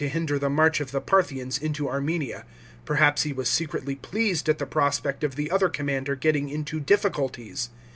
XVCL hinder the march of the Parthians into Armenia ; perhaps he was secretly pleased at the prospect of the other commander petting into difficulties.